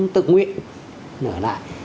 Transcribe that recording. tự nguyện nở lại